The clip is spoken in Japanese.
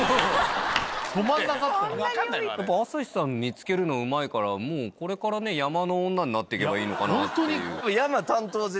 やっぱ朝日さん見つけるのうまいからもうこれから山の女になって行けばいいのかなっていう。